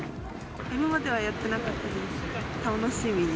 今まではやってなかったです。